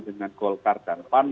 dengan golkar darpan